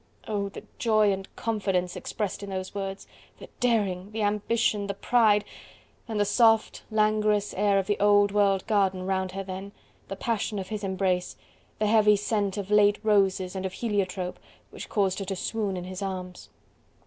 Oh! the joy and confidence expressed in those words! the daring, the ambition! the pride! and the soft, languorous air of the old world garden round her then, the passion of his embrace! the heavy scent of late roses and of heliotrope, which caused her to swoon in his arms!